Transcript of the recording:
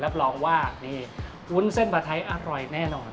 รับรองว่านี่วุ้นเส้นผัดไทยอร่อยแน่นอน